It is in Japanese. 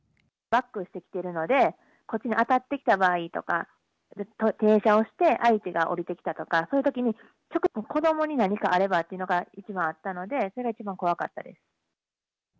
バックしてきてるので、こっちに当たってきた場合とか、停車をして、相手が降りてきたりとか、そういうときに、直接子どもに何かあればというのが一番あったので、それが一番怖かったです。